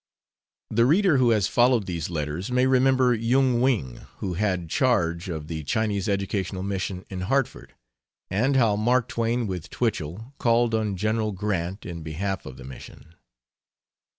The reader who has followed these letters may remember Yung Wing, who had charge of the Chinese educational mission in Hartford, and how Mark Twain, with Twichell, called on General Grant in behalf of the mission.